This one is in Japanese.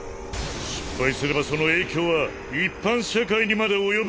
失敗すればその影響は一般社会にまで及ぶ。